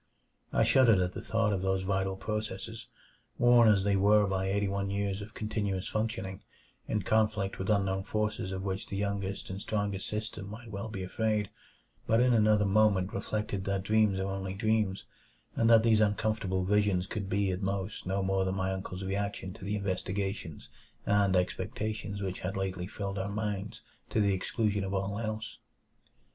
I shuddered at the thought of those vital processes, worn as they were by eighty one years of continuous functioning, in conflict with unknown forces of which the youngest and strongest system might well be afraid; but in another moment reflected that dreams are only dreams, and that these uncomfortable visions could be, at most, no more than my uncle's reaction to the investigations and expectations which had lately filled our minds to the exclusion of all else.